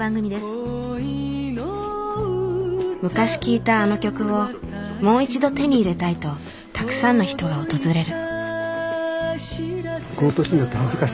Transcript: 昔聴いたあの曲をもう一度手に入れたいとたくさんの人が訪れる。